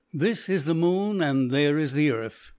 This is the moon and there is the earth.